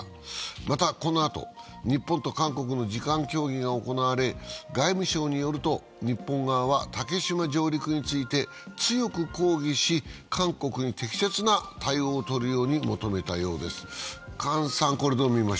またこのあと、日本と韓国の次官協議が行われ、外務省によると、日本側は竹島上陸について強く抗議し、韓国に適切な対応をとるように求めたようです。